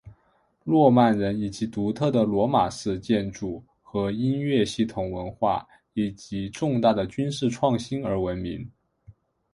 诺曼人以其独特的罗马式建筑和音乐传统文化以及重大的军事创新而闻名。